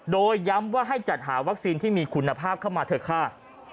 โดยย้ำว่าให้จัดหาวัคซีนที่มีคุณภาพเข้ามาเถอะค่ะ